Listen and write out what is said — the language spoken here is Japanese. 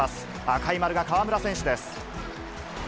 赤い丸が河村選手です。